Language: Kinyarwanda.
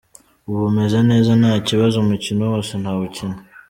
Ubu meze neza nta kibazo, umukino wose nawukina.